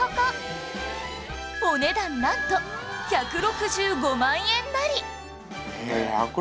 お値段なんと１６５万円なり